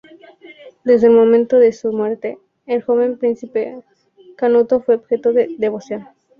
Desde el momento de su muerte, el joven príncipe Canuto fue objeto de devoción.